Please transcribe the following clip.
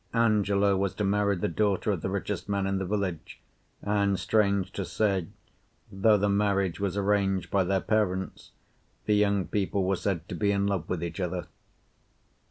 Angelo was to marry the daughter of the richest man in the village, and, strange to say, though the marriage was arranged by their parents, the young people were said to be in love with each other.